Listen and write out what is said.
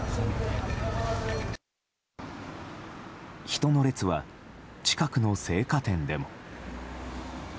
人の列は近くの生花店でも。